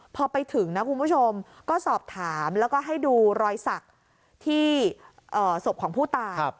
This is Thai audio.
พอไปถึงก็สอบถามแล้วให้ดูรอยสักที่สบของผู้ตา